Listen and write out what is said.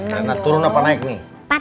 karena turun apa naik nih